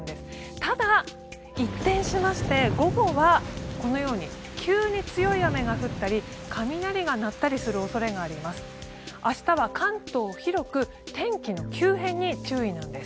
ただ、一転しまして午後はこのように強い雨が降ったり雷が鳴ったりする恐れがあります。